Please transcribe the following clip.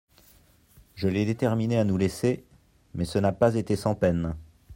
Je l'ai déterminé à nous laisser ; mais ce n'a pas été sans peine.